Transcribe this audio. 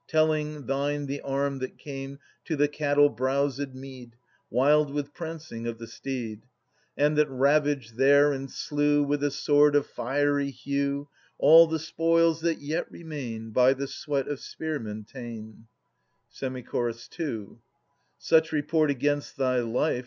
Telling, thine the arm that came To the cattle browsed mead, Wild with prancing of the steed, And that ravaged there and slew With a sword of fiery hue All the spoils that yet remain. By the sweat of spearmen ta'en. Semi Chorus II. Such report against thy life.